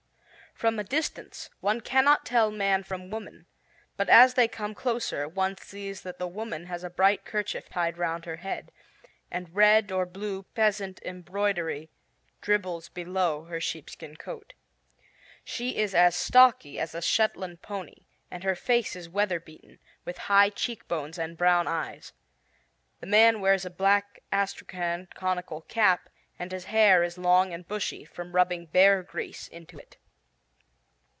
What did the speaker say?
From a distance one cannot tell man from woman, but as they come closer, one sees that the woman has a bright kerchief tied round her head, and red or blue peasant embroidery dribbles below her sheepskin coat. She is as stocky as a Shetland pony and her face is weather beaten, with high cheekbones and brown eyes. The man wears a black astrachan conical cap and his hair is long and bushy, from rubbing bear grease into it.